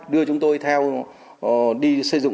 đưa chúng tôi theo đi sử dụng